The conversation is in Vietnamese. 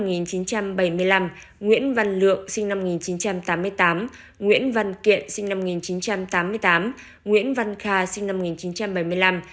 nguyễn văn lượng sinh năm một nghìn chín trăm tám mươi tám nguyễn văn kiện sinh năm một nghìn chín trăm tám mươi tám nguyễn văn kha sinh năm một nghìn chín trăm bảy mươi năm